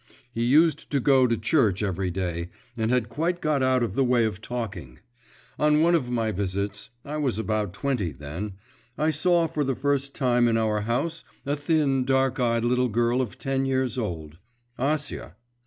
He used to go to church every day, and had quite got out of the way of talking. On one of my visits I was about twenty then I saw for the first time in our house a thin, dark eyed little girl of ten years old Acia.